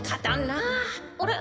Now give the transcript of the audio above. あれ？